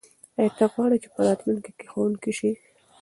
آیا ته غواړې چې په راتلونکي کې ښوونکی شې؟